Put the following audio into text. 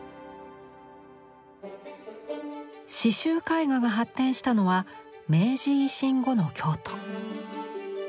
刺繍絵画が発展したのは明治維新後の京都。